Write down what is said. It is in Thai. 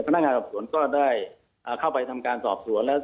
พนักกษัตริย์ก็ได้เข้าไปทำการสอบสวน